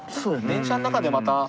電車の中でまた。